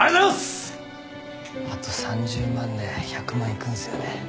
あと３０万で１００万いくんすよね。